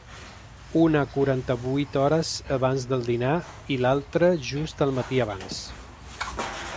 Una quaranta-vuit hores abans del dinar i l’altre just al matí abans.